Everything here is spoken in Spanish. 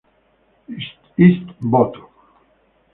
Hist., Bot.